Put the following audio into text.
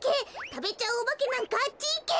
たべちゃうおばけなんかあっちいけ！